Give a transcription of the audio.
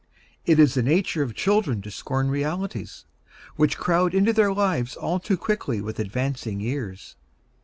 It is the nature of children to scorn realities, which crowd into their lives all too quickly with advancing years.